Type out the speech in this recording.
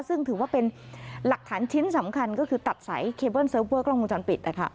ซึ่งถือว่าเป็นหลักฐานชิ้นสำคัญก็คือตัดสายเคเบิ้ลเซิร์ฟเวอร์กล้องวงจรปิด